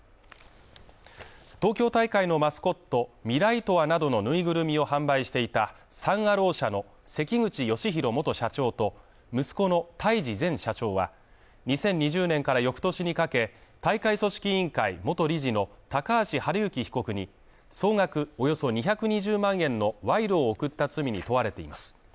東京大会のマスコットミライトワなどのぬいぐるみを販売していたサン・アロー社の関口芳弘元社長と息子の太嗣前社長は、２０２０年から翌年にかけ、大会組織委員会元理事の高橋治之被告に、総額およそ２２０万円の賄賂を贈った罪に問われています。